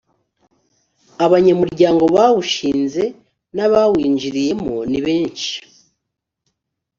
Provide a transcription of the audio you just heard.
abanyamuryango bawushinze nabawinjiriyemo ni benshi